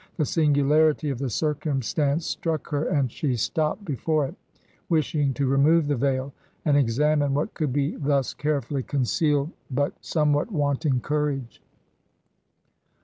The singularity of the circumstance struck her and she stopped before it, wishing to remove the veil, and examine what could be thus carefully concealed, but somewhat wanting courage.